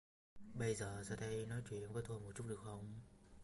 Bây giờ ra đây nói chuyện với tôi một chút được không